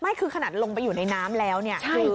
คือขนาดลงไปอยู่ในน้ำแล้วเนี่ย